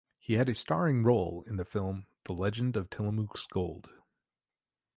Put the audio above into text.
He had a starring role in the film "The Legend of Tillamook's Gold".